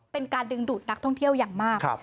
เป็นการดึงดูดนักท่องเที่ยวอย่างมาก